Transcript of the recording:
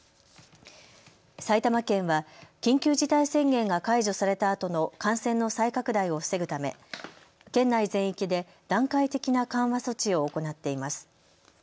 埼玉県は緊急事態宣言が解除されたあとの感染の再拡大を防ぐため県内全域で段階的な緩和措置を行っています。